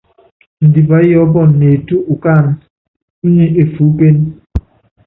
Ndipá yɔɔ́pɔnɔ neetú ukáánɛ́, únyi efuúkéne.